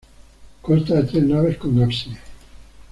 Consta de tres naves con ábside.